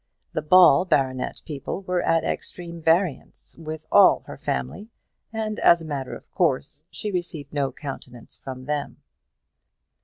The Ball baronet people were at extreme variance with all her family, and, as a matter of course, she received no countenance from them.